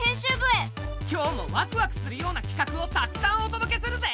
今日もワクワクするようなきかくをたくさんお届けするぜ！